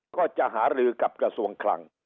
ก็จะหารือกับกระทรวงคลัง